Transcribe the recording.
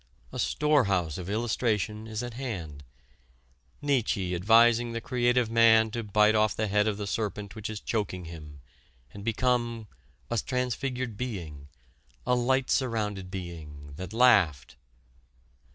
A storehouse of illustration is at hand: Nietzsche advising the creative man to bite off the head of the serpent which is choking him and become "a transfigured being, a light surrounded being, that laughed!"